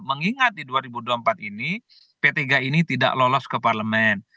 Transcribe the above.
mengingat di dua ribu dua puluh empat ini p tiga ini tidak lolos ke parlemen